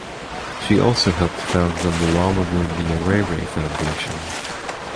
She also helped found the Mwalimu Nyerere Foundation.